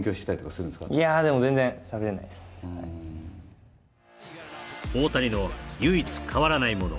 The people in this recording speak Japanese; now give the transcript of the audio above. そんなもう大谷の唯一変わらないもの